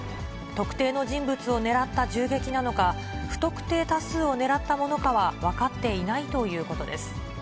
特定の人物を狙った銃撃なのか、不特定多数を狙ったものかは分かっていないということです。